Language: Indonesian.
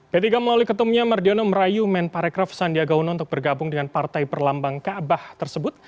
p tiga melalui ketumnya mardiono merayu men parekraf sandiaga uno untuk bergabung dengan partai perlambang kaabah tersebut